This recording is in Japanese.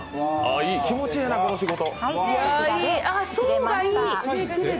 気持ちええな、この仕事。